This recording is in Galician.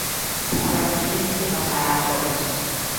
As palabras teñen que pasar ás obras.